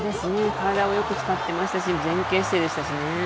体をよく使ってましたし、前傾姿勢でしたしね。